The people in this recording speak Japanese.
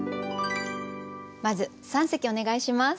まず三席お願いします。